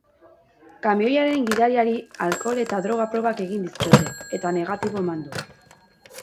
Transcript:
Kamioiaren gidariari alkohol eta droga probak egin dizkiote, eta negatibo eman du.